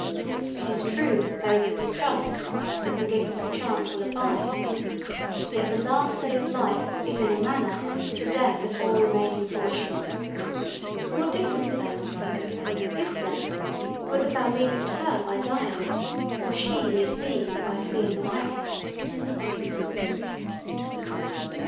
It is true that there is little trust that the gifts of chance will abide; yet the last day of life is in a manner the death of all remaining Fortune. What difference, then, thinkest thou, is there, whether thou leavest her by dying, or she leave thee by fleeing away?'